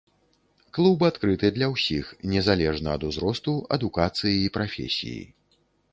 Клуб адкрыты для ўсіх, незалежна ад узросту, адукацыі і прафесіі.